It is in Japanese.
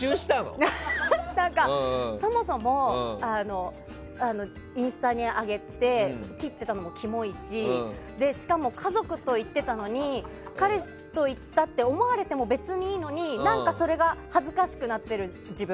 そもそもインスタに上げて切っていたのもキモいししかも家族と行っていたのに彼氏と行ったって思われても別にいいのにそれが恥ずかしくなっている自分。